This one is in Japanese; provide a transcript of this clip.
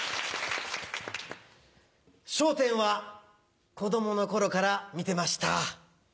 『笑点』は子供の頃から見てました。